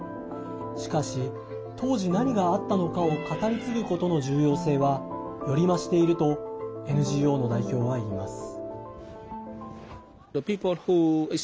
しかし、当時、何があったのかを語り継ぐことの重要性はより増しているとＮＧＯの代表はいいます。